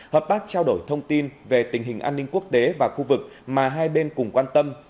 hợp tác trao đổi thông tin về tình hình an ninh quốc tế và khu vực mà hai bên cùng quan tâm